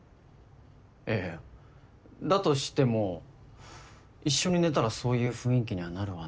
いやいやだとしても一緒に寝たらそういう雰囲気にはなるわな。